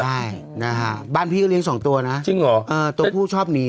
ได้นะฮะบ้านพี่ก็เลี้ยสองตัวนะจริงเหรอเออตัวผู้ชอบหนี